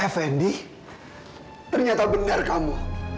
fnd ternyata benar kamu